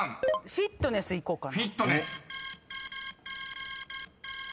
「フィットネス」いこうかな。